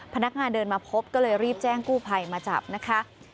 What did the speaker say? พนักงานเดินมาพบก็เลยรีบแจ้งกู้ภัยมาจับนะคะ